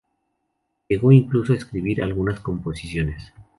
Llegó incluso a escribir algunas composiciones.